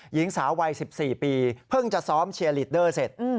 หญิงสาววัย๑๔ปีเพิ่งจะซ้อมเชียร์ลีดเดอร์เสร็จ